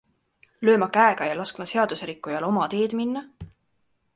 Lööma käega ja laskma seaduserikkujal oma teed minna?